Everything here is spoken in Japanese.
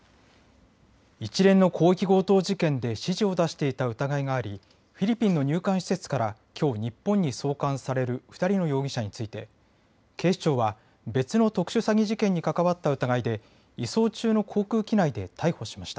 一連の広域強盗事件で指示を出していた疑いがありフィリピンの入管施設からきょう日本に送還される２人の容疑者について警視庁は別の特殊詐欺事件に関わった疑いで移送中の航空機内で逮捕しました。